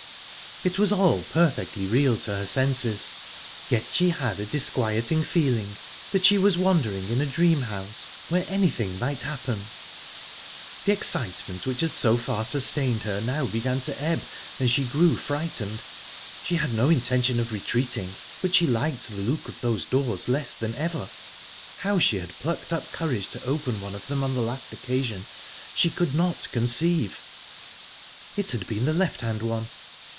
It was all perfectly real to her senses, yet she had a disquieting feeling that she was wandering in a dream house, where anything might happen. The excitement which had so far sustained her now began to ebb, and she grew frightened. She had no intention of retreating, but she liked the look of those doors less than ever. How she had plucked up courage to open one of them on the last occasion, she could not conceive...It had been the left hand one.